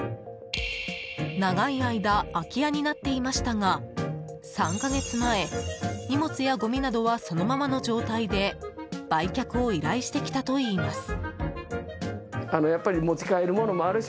長い間空き家になっていましたが３か月前、荷物やごみなどはそのままの状態で売却を依頼してきたといいます。